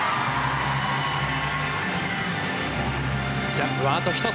ジャンプはあと１つ！